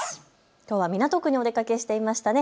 きょうは港区にお出かけしていましたね。